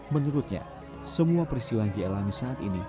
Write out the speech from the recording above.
menurutnya semua peristiwa yang dialami saat ini